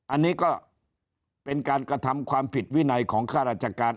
อันนี้ก็เป็นการกระทำความผิดวินัยของข้าราชการ